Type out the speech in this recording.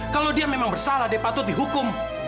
kalau dia memang bersalah dia patut dihukum